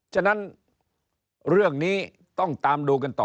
ฉะนั้นเรื่องนี้ต้องตามดูกันต่อ